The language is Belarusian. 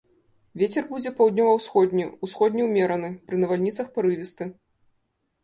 Вецер будзе паўднёва-ўсходні, усходні ўмераны, пры навальніцах парывісты.